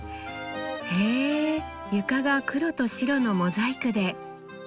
へえ床が黒と白のモザイクで。